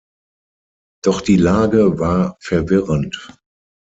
Doch die Lage war verwirrend.